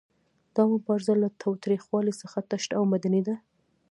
دا مبارزه له تاوتریخوالي څخه تشه او مدني ده.